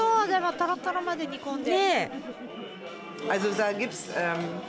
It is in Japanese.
トロトロまで煮込んで。